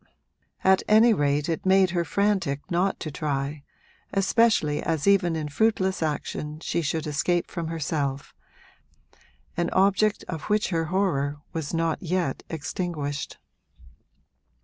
At any rate it made her frantic not to try, especially as even in fruitless action she should escape from herself an object of which her horror was not yet extinguished.